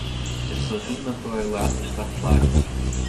Es tos izmantoju, lai atrastu atslēgas.